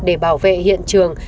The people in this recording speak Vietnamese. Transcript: để bảo vệ hiện trường